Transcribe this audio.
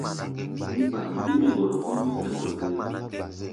Mí kpaá mbimbí gɔrɔ kɔ́ʼm sɛ̌n kɔ-zér.